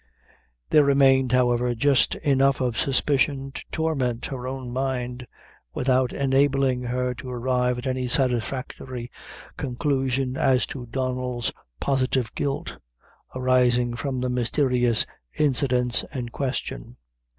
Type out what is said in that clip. There remained, however, just enough of suspicion to torment her own mind, without enabling her to arrive at any satisfactory conclusion as to Donnel's positive guilt, arising from the mysterious incidents in question.